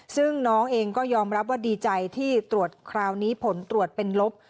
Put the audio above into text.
ซึ่งน้องเองก็ยอมรับว่าดีใจที่ตรวจคราวนี้ผลตรวจเป็นลบ